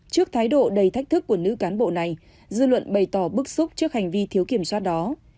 trước thái độ đầy thách thức của nữ cán bộ này dư luận bày tỏ bức xúc trước hành vi thiếu kiểm soát đó